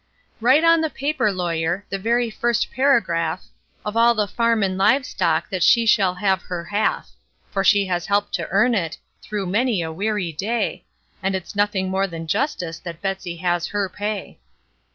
Write on the paper, lawyer the very first paragraph Of all the farm and live stock that she shall have her half; For she has helped to earn it, through many a weary day, And it's nothing more than justice that Betsey has her pay.